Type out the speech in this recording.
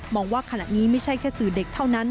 ว่าขณะนี้ไม่ใช่แค่สื่อเด็กเท่านั้น